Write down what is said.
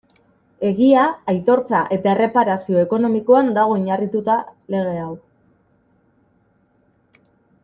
Egia, aitortza eta erreparazio ekonomikoan dago oinarrituta lege hau.